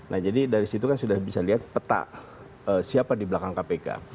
nah jadi dari situ kan sudah bisa lihat peta siapa di belakang kpk